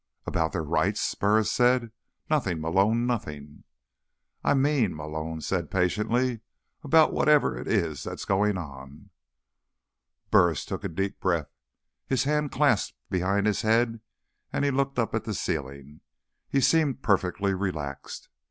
"About their rights?" Burris said. "Nothing, Malone. Nothing." "I mean," Malone said patiently, "about whatever it is that's going on." Burris took a deep breath. His hands clasped behind his head, and he looked up at the ceiling. He seemed perfectly relaxed.